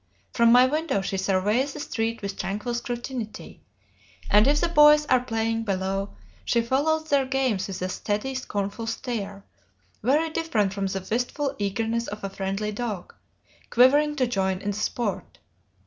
From my window she surveys the street with tranquil scrutiny, and if the boys are playing below, she follows their games with a steady, scornful stare, very different from the wistful eagerness of a friendly dog, quivering to join in the sport.